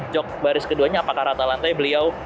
jok baris keduanya apakah rata lantai beliau